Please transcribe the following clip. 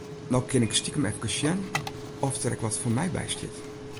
No kin ik stikem efkes sjen oft der ek wat foar my by stiet.